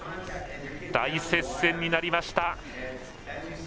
大接戦になりました。